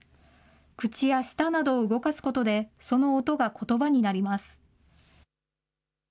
口や舌などを動かすことで、その音がことばになります。